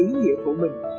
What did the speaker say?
ý nghĩa của mình